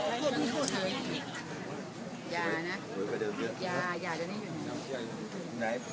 อ่ายังยังเข้าไม่ได้หรอไม่น่าพี่